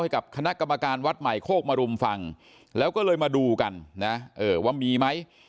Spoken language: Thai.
กับคณะกรรมการวัดใหม่โคกมรุมฟังแล้วก็เลยมาดูกันนะว่ามีไหม